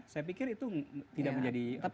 saya pikir itu tidak menjadi problem yang berarti